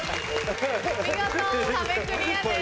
見事壁クリアです。